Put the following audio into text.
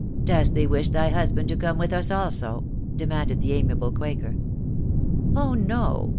" Dost thee wish thy husband to come with us also ?" demanded the amiable quaker. " Oh no